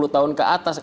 enam puluh tahun ke atas